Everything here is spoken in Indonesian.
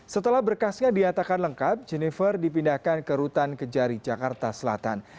setelah berkasnya dinyatakan lengkap jennifer dipindahkan ke rutan kejari jakarta selatan